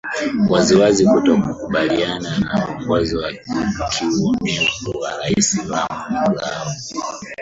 Waziwazi kutokukubalina na uongozi wa kiuonevu wa Rais Ramon Grau